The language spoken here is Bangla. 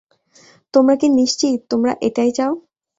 তোমরা কি নিশ্চিত, তোমরা এটাই চাও?